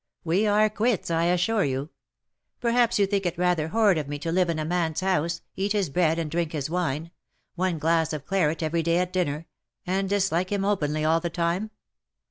We are quits, I assure you. Perhaps you think it rather horrid of me to live in a man's house — eat his bread and drink his wine — one glass of claret every day at dinner — and dislike him openly all the time.